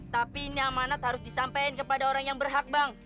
tapi ini amanat harus disampaikan kepada orang yang berhak bang